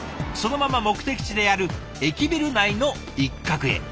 そのまま目的地である駅ビル内の一角へ。